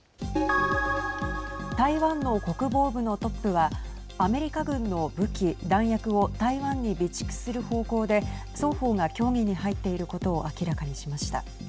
台湾の国防部のトップはアメリカ軍の武器・弾薬を台湾に備蓄する方向で双方が協議に入っていることを明らかにしました。